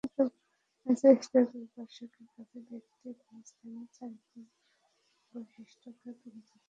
আমি চেষ্টা করি দর্শকের কাছে ব্যক্তি এবং স্থানের চারিত্রিক বৈশিষ্ট্যটাকে তুলে ধরতে।